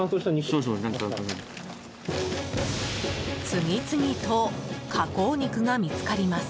次々と加工肉が見つかります。